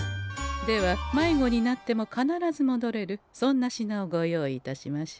では迷子になっても必ずもどれるそんな品をご用意いたしましょう。